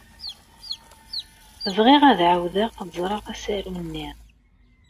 Bɣiɣ ad ɛawdeɣ ad ẓreɣ asaru-nni.